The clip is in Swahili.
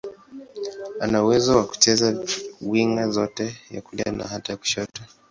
Ana uwezo wa kucheza winga zote, ya kulia na hata ya kushoto.